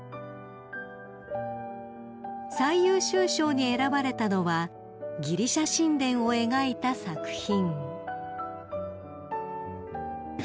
［最優秀賞に選ばれたのはギリシャ神殿を描いた作品］